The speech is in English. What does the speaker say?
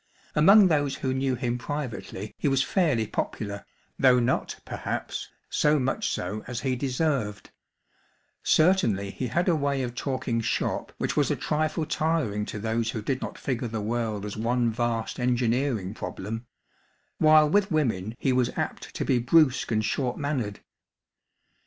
Among those who knew him privately he was fairly popular, though not, perhaps, so much so as he deserved; certainly he had a way of talking "shop" which was a trifle tiring to those who did not figure the world as one vast engineering problem, while with women he was apt to be brusque and short mannered.